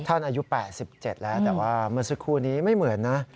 อายุ๘๗แล้วแต่ว่าเมื่อสักครู่นี้ไม่เหมือนนะ